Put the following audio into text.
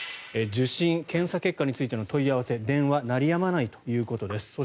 受診や検査結果についての問い合わせ電話が鳴りやまないということです。